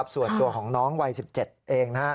ส่วนตัวของน้องวัย๑๗เอง